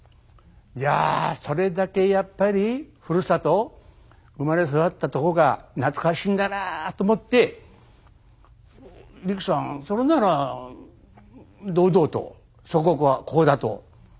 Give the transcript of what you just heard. いやそれだけやっぱりふるさと生まれ育ったとこが懐かしいんだなと思ってリキさんそれなら堂々と祖国はこうだと言わないんですかと言うとね